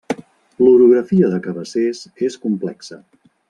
L'orografia de Cabassers és complexa.